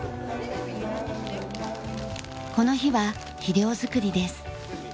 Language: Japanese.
この日は肥料作りです。